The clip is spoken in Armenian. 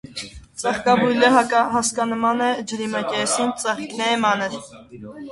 Ծաղկաբույլը հասկանման է, ջրի մակերեսին, ծաղիկները՝ մանր։